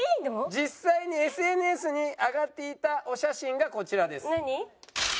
実際にＳＮＳに上がっていたお写真がこちらです。